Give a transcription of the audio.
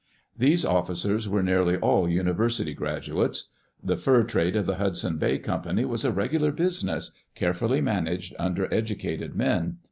These officers were nearly all university graduates. The fur trade of the Hudson's Bay Company was a regular busi ness, carefully managed under educated men.